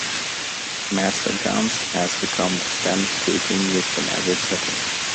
"Master Guns" has become the standard greeting used in every setting.